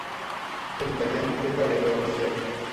El italiano es la lengua oficial.